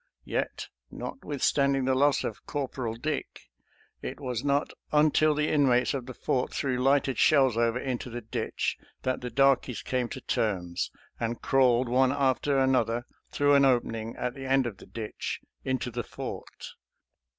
" Yet, notwithstanding the loss of Corporal Dick, it was not until the inmates of the fort threw lighted shells over into the ditch that the darkies came to terms and crawled, one after another, through an opening at the end of the ditch, into the fort.